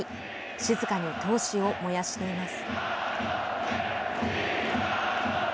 静かに闘志を燃やしています。